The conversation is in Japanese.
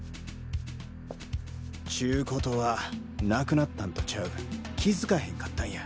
っちゅう事は無くなったんとちゃう気づかへんかったんや。